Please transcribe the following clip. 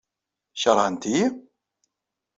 Keṛhent-iyi?